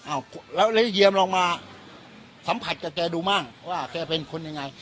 อ้าวแล้วเยียมลองมาสัมผัสกับแกดูมั่งว่าแกเป็นคนยังไง